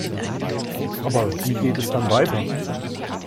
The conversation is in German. Aber wie geht es dann weiter?